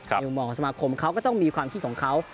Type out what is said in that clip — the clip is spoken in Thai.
มุมมองของสมาคมเขาก็ต้องมีความคิดของเขา